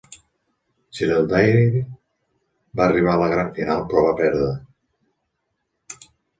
Jerilderie va arribar a la gran final, però va perdre.